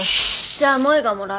じゃあ萌がもらう。